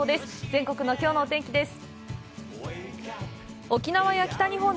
全国のきょうのお天気です。